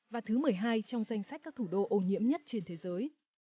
và thứ một mươi hai trong danh sách các thủ đô ô nhiễm nhất trên thế giới